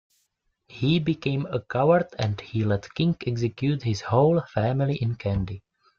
He became a coward and he let king execute his whole family in Kandy.